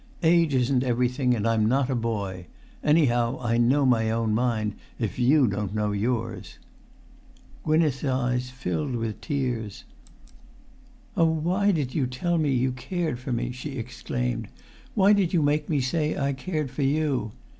"Age isn't everything, and I'm not a boy; anyhow I know my own mind, if you don't know yours." Gwynneth's eyes filled with tears. "Oh, why did you tell me you cared for me?" she exclaimed. "Why did you make me say I cared for you?